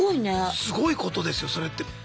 すごいことですよそれって。